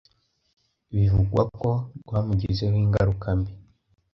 bivugwa ko rwamugizeho ingaruka mbi.